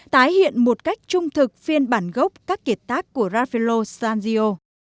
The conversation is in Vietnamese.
tái hiện một cách trung thực phiên bản gốc các kiệt tác của raffaello san gio